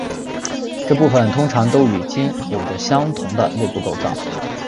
这部分通常都与茎有着相同的内部构造。